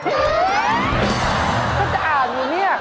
ก็จะอ่านอยู่นี่